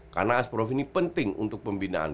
karena a tiga ini penting untuk pembinaan